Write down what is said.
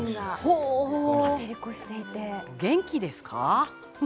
ほ、元気ですか？